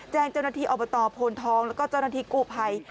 แจ้งเจ้าหน้าที่อบตโพนทองแล้วก็เจ้าหน้าที่กู้ภัย